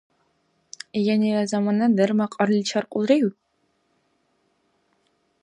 Янила заманара дарма кьарличи аркьулрив?